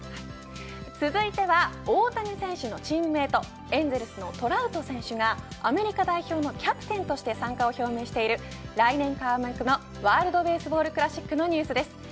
続いては大谷選手のチームメートエンゼルスのトラウト選手がアメリカ代表のキャプテンとして参加を表明している来年開幕のワールドベースボールクラシックのニュースです。